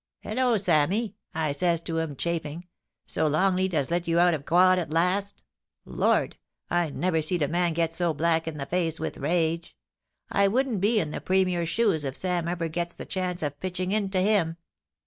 " Hallo, Sammy !" I ses to him, chaffing, " so Longleat has let you out of quod at last ! Lord ! I never seed a man get so black in the face with rage. I wouldn't be in the Premier's shoes if Sam ever gets the chance of pitching into him.